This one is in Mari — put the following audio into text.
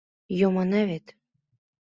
— Йомына вет...